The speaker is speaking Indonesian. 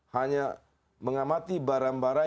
hanya mengamati barang barang